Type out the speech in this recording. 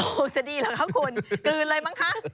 โอ้โหจะดีเหรอคะคุณกลืนเลยมั้งคะ